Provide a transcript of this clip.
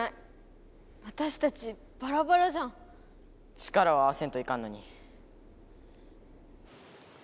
力を合わせんといかんのに。